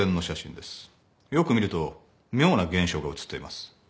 よく見ると妙な現象が写っています。